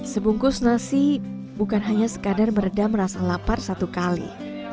sebungkus nasi bukan hanya sekadar meredam rasa lapar satu kali